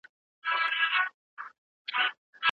دلته هلته به هوسۍ وې څرېدلې